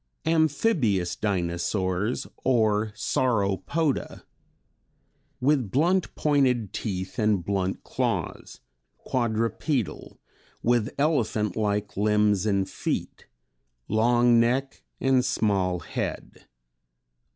Amphibious Dinosaurs or Sauropoda. With blunt pointed teeth and blunt claws, quadrupedal, with elephant like limbs and feet, long neck and small head.